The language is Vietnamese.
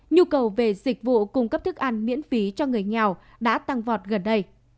nhu cầu về dịch vụ cung cấp thức ăn miễn phí cho người nghèo đã tăng vọt gần đây